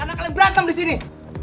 karena kalian berantem di sini